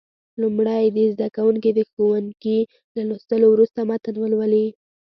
لومړی دې زده کوونکي د ښوونکي له لوستلو وروسته متن ولولي.